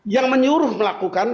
yang menyuruh melakukan